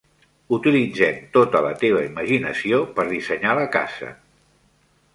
Utilitzem tota la teva imaginació per dissenyar la casa.